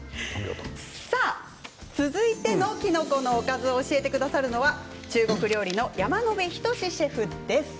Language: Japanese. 続いての、きのこのおかずを教えてくださるのは中国料理の山野辺仁シェフです。